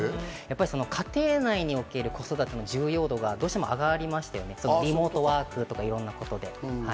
家庭内における子育ての重要度がどうして上がりまして、リモートワークとかいろんなことで。